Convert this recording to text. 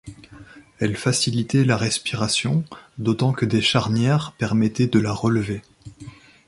Elle facilitait la respiration, d'autant que des charnières permettaient de la relever.